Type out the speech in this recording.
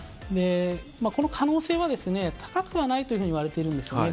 この可能性は高くはないとはいわれているんですね。